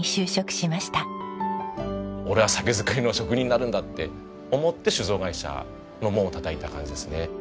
俺は酒造りの職人になるんだって思って酒造会社の門をたたいた感じですね。